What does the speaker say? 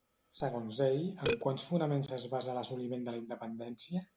Segons ell, en quants fonaments es basa l'assoliment de la independència?